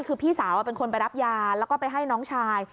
คือพี่สาวเป็นคนไปรับยาแล้วก็ไปให้น้องชาย